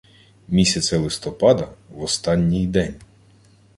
Місяця листопада, в останній день